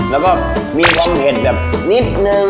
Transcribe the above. แล้วก็มีความเผ็ดแบบนิดนึง